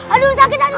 aduh sakit aduh